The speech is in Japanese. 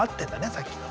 さっきの。